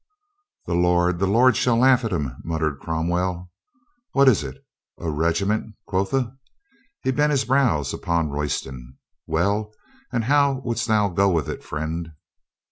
"The Lord, the Lord shall laugh at him," mut tered Cromwell. "What is't? A regiment, quotha?" He bent his brows upon Royston. "Well. And how wouldst thou go with it, friend?"